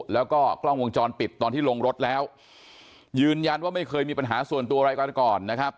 แล้วก็กล้องวงจรปิดตอนที่ลงรถแล้วยืนยันว่าไม่เคยมีปัญหาส่วนตัวอะไรกันก่อนนะครับ